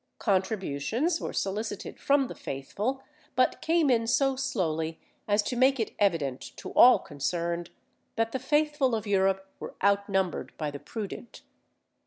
Contributions were solicited from the faithful, but came in so slowly as to make it evident to all concerned, that the faithful of Europe were outnumbered by the prudent.